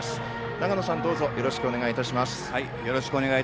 長野さん、どうぞよろしくお願いいたします。